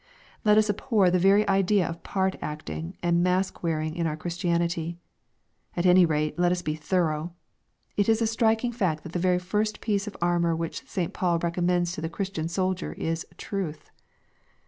Let us abhor the very idea of part acting and mask wearing in our Christianity. At any rate let us be thorough. It is a striking fact that the very first piece of armor which St. Paul recommends to the Christian Boldier is " truth."